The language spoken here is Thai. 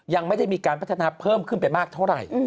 ยังไม่ได้มีการพัฒนาเพิ่มขึ้นไปมากเท่าไหร่